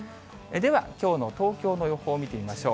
では、きょうの東京の予報を見てみましょう。